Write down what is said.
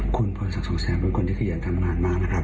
คุณพรศักดิ์สองแสงเป็นคนที่ขยันทำงานมากนะครับ